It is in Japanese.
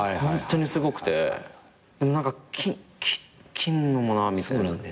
ホントにすごくて何か切るのもなみたいな。